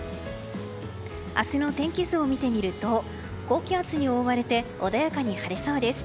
明日の天気図を見てみると高気圧に覆われて穏やかに晴れそうです。